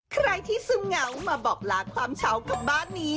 ใครที่ซึมเหงามาบอกลาความเฉากับบ้านนี้